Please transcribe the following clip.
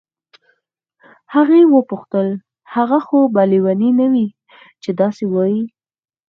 هغې وپوښتل هغه خو به لیونی نه وي چې داسې وایي.